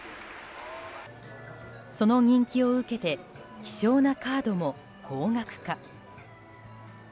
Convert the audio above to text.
その人気を受けて希少なカードも高額化。